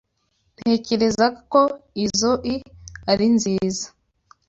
Ntekereza ko izoi ari nziza.